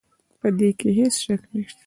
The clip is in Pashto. په دې کې هيڅ شک نشته